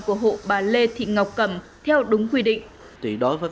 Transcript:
của hộ bà lê thị ngọc cầm theo đúng quy định